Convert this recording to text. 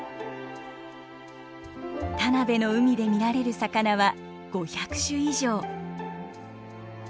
田辺の海で見られる魚は５００種以上。